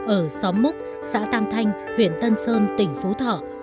ở xóm múc xã tam thanh huyện tân sơn tỉnh phú thọ